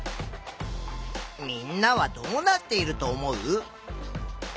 みんなはどうなっていると思う？